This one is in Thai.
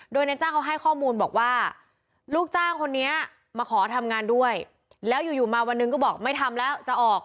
โดยนายจ้างเขาให้ข้อมูลบอกว่าลูกจ้างคนนี้มาขอทำงานด้วยแล้วอยู่มาวันหนึ่งก็บอกไม่ทำแล้วจะออก